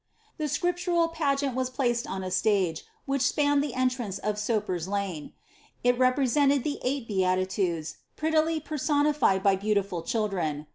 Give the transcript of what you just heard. " A scriptural pageant was placed on a stage, which spanned the entrance of Soper's lane: it represented the eight beatitudes, prettily personified by beautiful children.